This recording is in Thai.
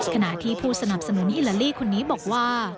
ขณะที่ผู้สนับสนุนฮิลาลีคนนี้บอกว่า